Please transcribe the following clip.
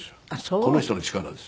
この人の力です。